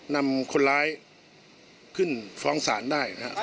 นำคนร้ายขึ้นฟ้องศาลได้